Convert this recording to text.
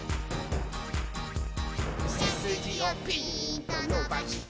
「せすじをピーンとのばして」